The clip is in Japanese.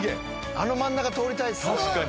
あの真ん中通りたいっすね。